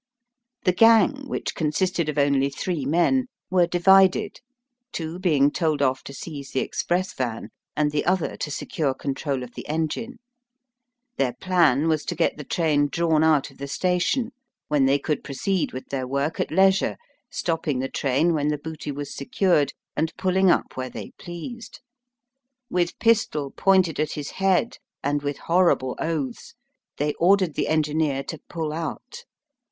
The gang, which consisted of only three men, were divided, two being told off to seize the express van, and the other to secure control of the engine. Their plan was to get the train drawn out of the station, when they could proceed with their work at leisure, stopping the train when the booty was secured, and pulling up where they pleased. With pistol pointed at his head and with horrible oaths, they ordered the engineer to '^pull out."